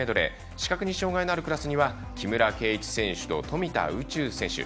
視覚に障がいのあるクラスには木村敬一選手と富田宇宙選手。